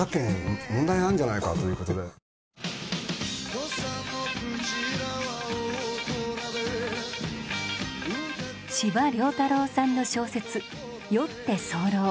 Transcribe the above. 土佐の鯨は大虎で司馬太郎さんの小説「酔って候」